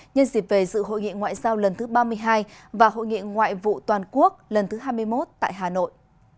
nhân dịp về dự hội nghị ngoại giao lần thứ ba mươi hai và hội nghị ngoại vụ toàn quốc lần thứ hai mươi một tại hà nội